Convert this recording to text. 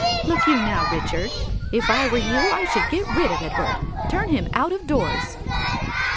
Look you now, Richard, if I were you I should get rid of Edward. Turn him out of doors."